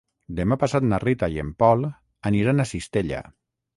Demà passat na Rita i en Pol aniran a Cistella.